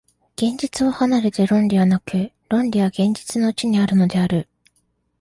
現実を離れて論理はなく、論理は現実のうちにあるのである。